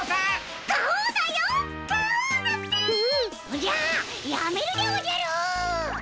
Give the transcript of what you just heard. おじゃっやめるでおじゃるっ！